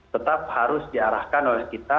tetap harus diarahkan oleh kita